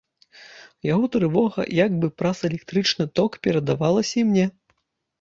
Яго трывога як бы праз электрычны ток перадавалася і мне.